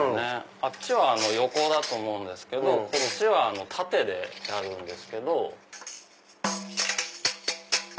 あっちは横だと思うんですけどこっちは縦でやるんです。